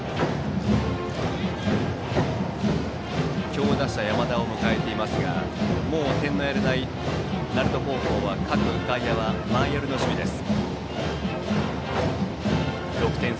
強打者の山田を迎えていますがもう点のやれない鳴門高校は各外野は前寄りの守備です。